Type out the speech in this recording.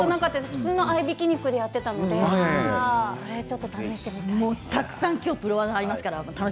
普通の合いびき肉でやっていたのでそれをちょっと試してみたい。